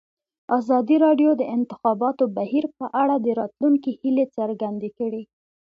ازادي راډیو د د انتخاباتو بهیر په اړه د راتلونکي هیلې څرګندې کړې.